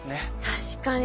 確かに。